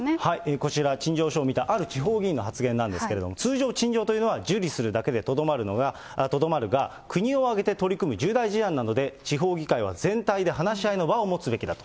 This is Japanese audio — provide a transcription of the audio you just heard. こちら、陳情書を見た、ある地方議員の発言なんですけれども、通常、陳情というのは受理するだけでとどまるが、国を挙げて取り組む重大事案なので、地方議会は全体で話し合いの場を持つべきだと。